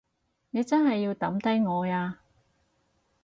你真係要抌低我呀？